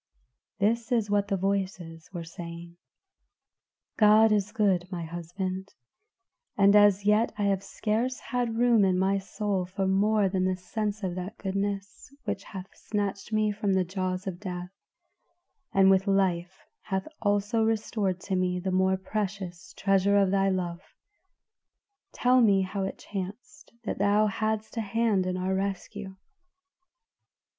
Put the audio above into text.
This is what the voices were saying: "God is good, my husband, and as yet I have scarce had room in my soul for more than the sense of that goodness which hath snatched me from the jaws of death, and with life hath also restored to me the more precious treasure of thy love. Tell me how it chanced that thou hadst a hand in our rescue?"